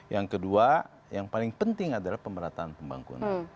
yang kedua yang paling penting adalah pemerataan pembangunan